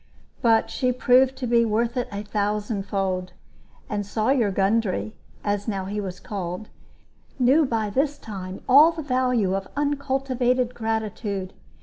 But she proved to be worth it a thousandfold; and Sawyer Gundry (as now he was called) knew by this time all the value of uncultivated gratitude.